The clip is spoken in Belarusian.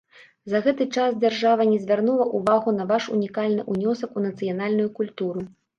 За гэты час дзяржава не звярнула ўвагу на ваш унікальны ўнёсак у нацыянальную культуру.